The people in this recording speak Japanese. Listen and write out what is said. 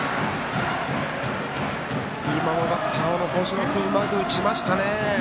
今のバッターの星野君うまく打ちましたね。